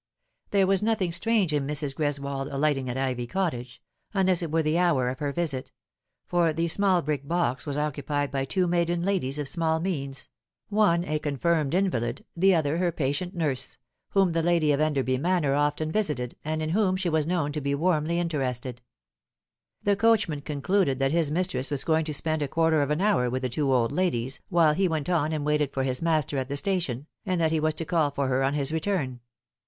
There was nothing strange in Mrs. Greswold alighting at Ivy Cottage unless it were the hour of her visit for the small brick box was occupied by two maiden ladies of small means : one a confirmed invalid : the other her patient nurse ; whom the lady of Euderby Manor often visited, and in whom she was known to be warmly interested. The coachman concluded that his mistress was going to spend a quarter of an hour with the two old ladies, while he went on and waited for his master at the station, and that he was to call for her on his return.